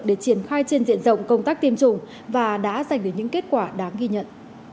để triển khai trên diện rộng công tác tiêm chủng và đã giành được những kết quả đáng ghi nhận